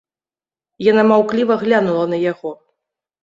Яна маўкліва глянула на яго.